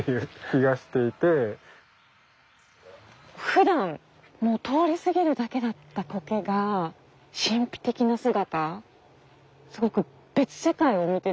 ふだん通りすぎるだけだったコケが神秘的な姿。